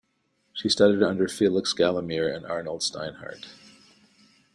She studied under Felix Galimir and Arnold Steinhardt.